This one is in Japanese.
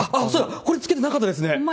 これ、つけてなかったですね。